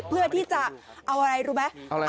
เพื่อที่จะเอาอะไรรู้ไหมเอาอะไรครับ